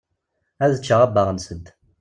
Ad ččeɣ abbaɣ-nsent.